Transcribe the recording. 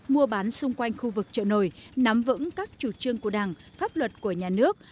mua bán xung quanh khu vực trợ nổi nắm vững các chủ trương của đảng pháp luật của nhà nước